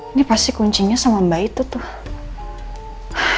ini pasti kuncinya sama mbak itu tuh